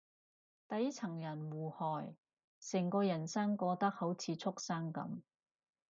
底層人互害，成個人生過得好似畜生噉